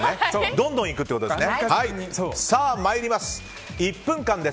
どんどん行くってことですね。